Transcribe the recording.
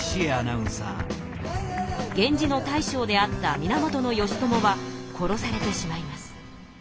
源氏の大将であった源義朝は殺されてしまいます。